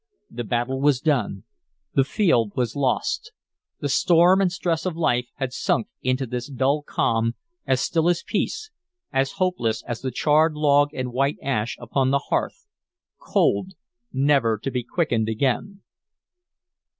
The battle was done; the field was lost; the storm and stress of life had sunk into this dull calm, as still as peace, as hopeless as the charred log and white ash upon the hearth, cold, never to be quickened again.